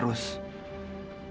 kamilanya juga ribut terus